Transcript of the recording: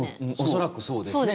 恐らくそうですね。